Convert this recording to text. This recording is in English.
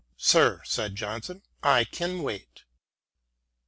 " Sir," said Johnson, " I can wait."